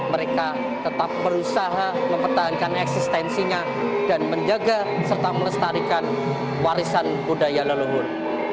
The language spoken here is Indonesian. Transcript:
mereka tetap berusaha mempertahankan eksistensinya dan menjaga serta melestarikan warisan budaya leluhur